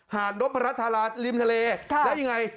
หาดนพรัชธาราริมทะเลแล้วยังไง